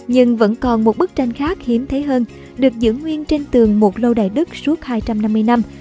nhưng vẫn còn một bức tranh khác hiếm thấy hơn được giữ nguyên trên tường một lâu đài đức suốt hai trăm năm mươi năm